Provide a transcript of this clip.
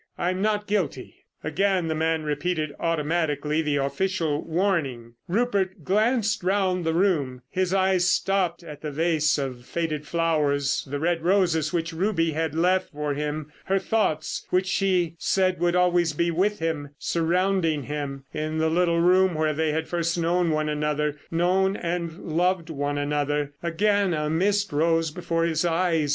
I'm not guilty." Again the man repeated automatically the official warning. Rupert glanced round the room. His eyes stopped at the vase of faded flowers, the red roses which Ruby had left for him.... Her thoughts, which she said would always be with him, surrounding him—in the little room where they had first known one another; known and loved one another. Again a mist rose before his eyes.